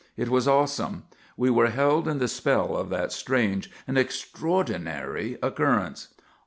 It was awesome; we were held in the spell of that strange and extraordinary occurrence.